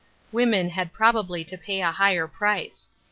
§ Women had probably to pay a higher price.